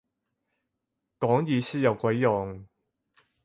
講意思有鬼用